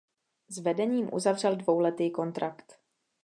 S vedením uzavřel dvouletý kontrakt.